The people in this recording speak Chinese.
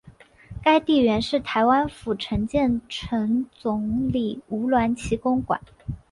该地原是台湾府城建城总理吴鸾旗公馆。